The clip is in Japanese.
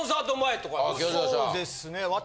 そうですね私。